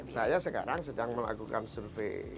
saya sekarang sedang melakukan survei